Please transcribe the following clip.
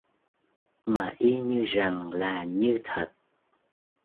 Mà y như rằng là như thật